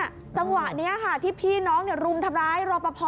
จังหวะนี้ค่ะที่พี่น้องรุมทำร้ายรอปภ